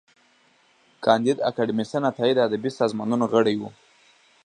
کانديد اکاډميسن عطايي د ادبي سازمانونو غړی و.